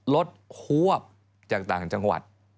รถควบจากต่างจังหวัด